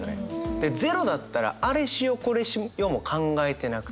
で０だったらあれしようこれしようも考えてなくて。